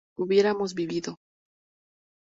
hubiéramos vivido